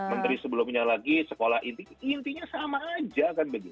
menteri sebelumnya lagi sekolah inti intinya sama saja